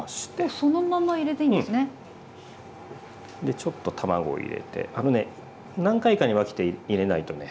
ちょっと卵を入れてあのね何回かに分けて入れないとね